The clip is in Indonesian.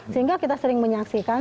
sehingga kita sering menyaksikan